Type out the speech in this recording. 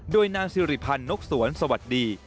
โดยนางสิริพันธ์นกสวนสวัสดี